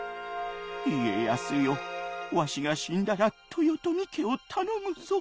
家康よわしが死んだら豊臣家を頼むぞ。